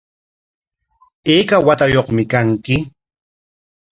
¿Ayka watayuqmi kanki?